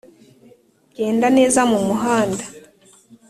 genda neza mu muhanda